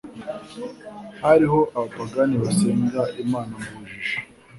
Hariho abapagane basenga Imana mu bujiji,